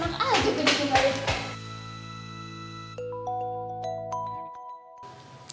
enak aja gue bikin warian